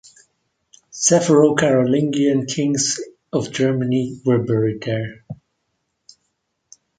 Several Carolingian kings of Germany were buried there.